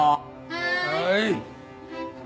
はい。